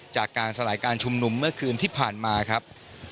จากการสลายการชุมนุมเมื่อคืนที่ผ่านมาครับ